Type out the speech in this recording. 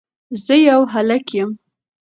زه يو هلک يم